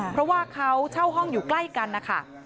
เพราะว่าเขาเช่าห้องอยู่ใกล้กันนะคะ